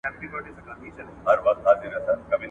زما د قبر سر ته ارغوان به غوړېدلی وي ,